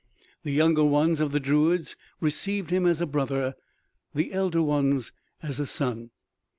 The younger ones of the druids received him as a brother, the elder ones as a son.